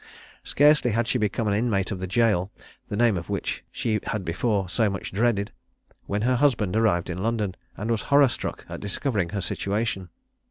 Scarcely had she become an inmate of the jail, the name of which she had before so much dreaded, when her husband arrived in London, and was horror struck at discovering her situation.